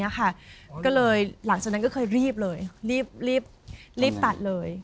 ก็เลยหลังจากนั้นก็เคยรีบเลยรีบตัดเลย